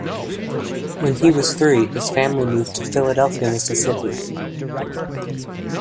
When he was three, his family moved to Philadelphia, Mississippi.